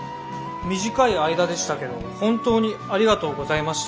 「短い間でしたけど本当にありがとうございました。